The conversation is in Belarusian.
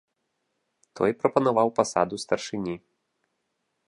Той прапанаваў пасаду старшыні.